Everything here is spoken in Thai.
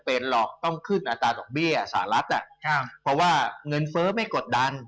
เพราะว่าเงินเฟ้อไม่กดดัน